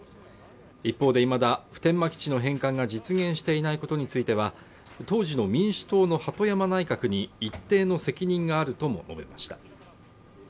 一方で未だ普天間基地の返還が実現していないことについては、当時の民主党の鳩山内閣に一定の責任があるとも述べました。